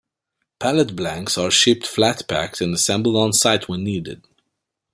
Pallet blanks are shipped flat-packed and assembled on site when needed.